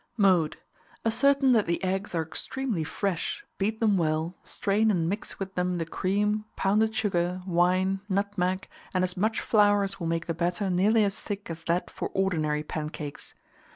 Mode. Ascertain that the eggs are extremely fresh, beat them well, strain and mix with them the cream, pounded sugar, wine, nutmeg, and as much flour as will make the batter nearly as thick as that for ordinary pancakes.